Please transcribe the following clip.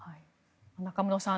中室さん